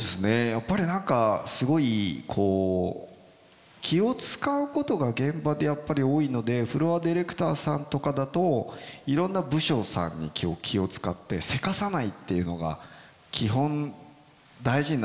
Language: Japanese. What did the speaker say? やっぱり何かすごい気を遣うことが現場で多いのでフロアディレクターさんとかだといろんな部署さんに気を遣ってせかさないっていうのが基本大事になってくるんですよ。